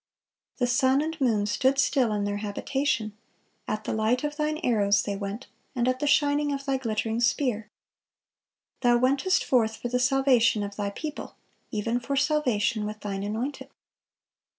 The sun and moon stood still in their habitation: at the light of Thine arrows they went, and at the shining of Thy glittering spear." "Thou wentest forth for the salvation of Thy people, even for salvation with Thine anointed."